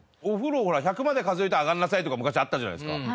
お風呂ほら１００まで数えて上がりなさいとか昔あったじゃないですか。